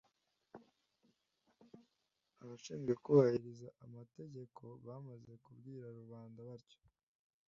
abashinzwe kubahiriza amategeko bamaze kubwira rubanda batyo,